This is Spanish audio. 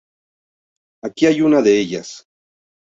Aquí hay una de ellas.